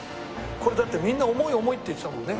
これだってみんな重い重いって言ってたもんね